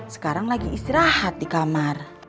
sekarang lagi istirahat di kamar